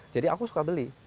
jadi aku suka beli